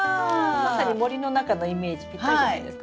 まさに森の中のイメージピッタリじゃないですか。